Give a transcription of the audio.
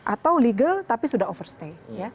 atau legal tapi sudah overstay